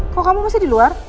kok kamu masih di luar